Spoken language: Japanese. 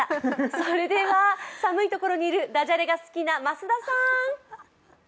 それでは、寒い所にいるダジャレが好きな増田さん！